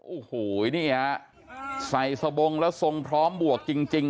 โอ้โหนี่ฮะใส่สบงแล้วทรงพร้อมบวกจริง